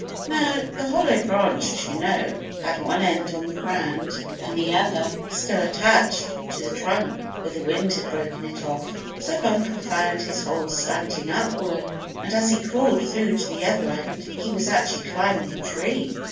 Now, the hollow branch, as you know, had one end on the ground, and the other still attached to the trunk where the wind had broken it off. So Bumper found his hole slanting upward, and as he crawled through to the other end he was actually climbing a tree.